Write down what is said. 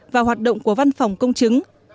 và hoạt động của văn phòng công chứng